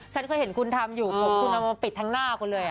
ฉันเคยเห็นคุณทำอยู่ผมคุณเอามาปิดทั้งหน้าคุณเลย